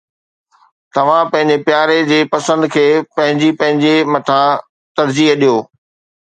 توھان پنھنجي پياري جي پسند کي پنھنجي پنھنجي مٿان ترجيح ڏيو.